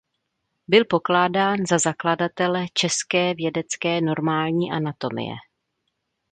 Byl pokládán za zakladatele české vědecké normální anatomie.